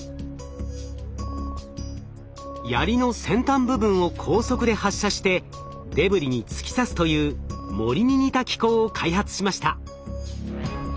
槍の先端部分を高速で発射してデブリに突き刺すという銛に似た機構を開発しました。